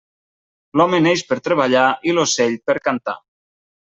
L'home neix per treballar i l'ocell per cantar.